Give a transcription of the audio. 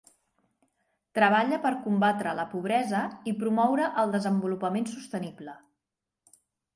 Treballa per combatre la pobresa i promoure el desenvolupament sostenible.